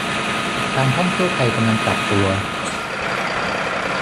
การท่องเที่ยวไทยกำลังปรับตัว